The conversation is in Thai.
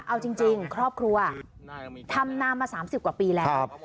เอาจริงครอบครัวทำนามา๓๐กว่าปีแล้ว